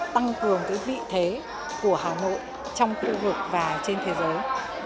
tăng cường vị thế của hà nội trong khu vực và trên thế giới